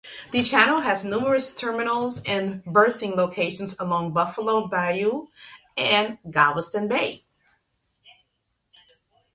The channel has numerous terminals and berthing locations along Buffalo Bayou and Galveston Bay.